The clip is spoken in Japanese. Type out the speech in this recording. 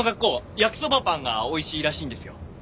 焼きそばパンがおいしいらしいんですよ。